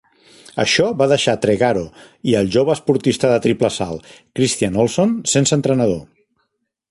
Això va deixar Tregaro i el jove esportista de triple salt, Christian Olsson, sense entrenador.